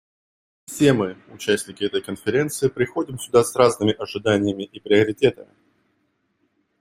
Все мы, участники этой Конференции, приходим сюда с разными ожиданиями и приоритетами.